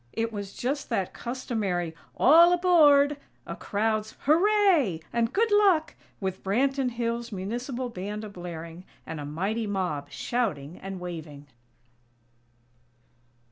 It was just that customary "All aboard!!" a crowd's "Hooray!!" and "Good Luck!!", with Branton Hills' Municipal Band a blaring, and a mighty mob shouting and waving.